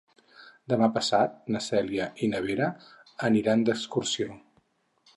Demà passat na Cèlia i na Vera aniran d'excursió.